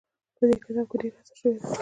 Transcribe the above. په دې کتاب کې ډېره هڅه شوې ده.